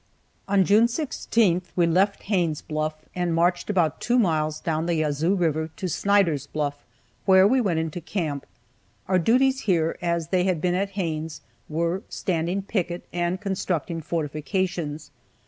On June 16th we left Haines' Bluff, and marched about two miles down the Yazoo river to Snyder's Bluff, where we went into camp. Our duties here, as they had been at Haines', were standing picket, and constructing fortifications.